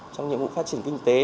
trong nhiệm vụ phát triển kinh tế